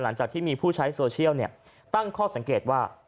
หลังจากที่มีผู้ใช้โซเชียลตั้งข้อสังเกตว่า